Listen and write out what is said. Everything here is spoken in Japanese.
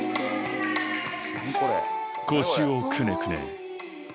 ［腰をくねくね］